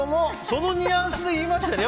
そのニュアンスで言いましたよね。